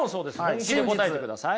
本気で答えてください。